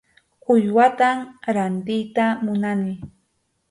Uywatam rantiyta munani.